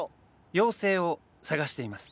妖精を探しています。